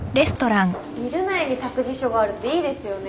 ビル内に託児所があるっていいですよね。